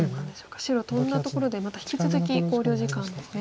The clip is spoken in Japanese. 白トンだところでまた引き続き考慮時間ですね。